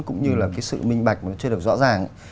cũng như là cái sự minh bạch nó chưa được rõ ràng